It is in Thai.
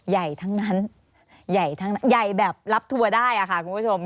ใหญ่ทั้งนั้นใหญ่แบบรับทัวร์ได้ค่ะคุณผู้ชม